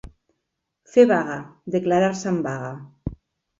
Fer vaga, declarar-se en vaga.